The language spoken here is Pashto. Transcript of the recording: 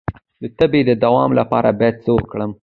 د تبې د دوام لپاره باید څه وکړم؟